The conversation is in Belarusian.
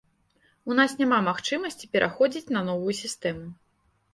У нас няма магчымасці пераходзіць на новую сістэму.